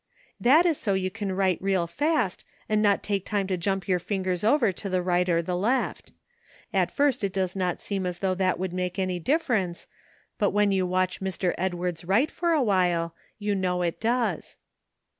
That is so you can write real fast, and not take time to jump your fingers over to the right or the left. At first it does not seem as though that could make any difference, but when you watch Mr. Edwards write for a while you know it does.